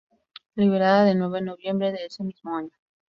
Liberada de nuevo en noviembre de ese mismo año.